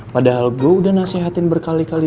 padahal gue udah nasehatin berkali kali